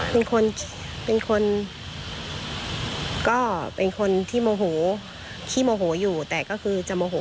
เป็นคนเป็นคนก็เป็นคนที่โมโหขี้โมโหอยู่แต่ก็คือจะโมโห